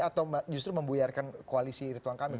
atau justru membuyarkan koalisi rituan kamil